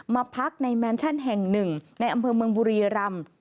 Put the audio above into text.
มาพักในแมนชั่นแห่งหนึ่งในอำเภอเมืองบุรีรำ